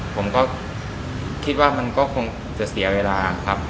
ผมก็คิดว่ามันก็คงจะเสียเวลาครับ